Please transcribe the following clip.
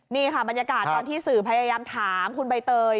นี่ค่ะบรรยากาศตอนที่สื่อพยายามถามคุณใบเตย